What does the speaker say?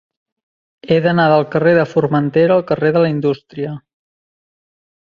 He d'anar del carrer de Formentera al carrer de la Indústria.